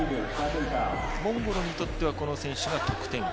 モンゴルにとってはこの選手が得点源。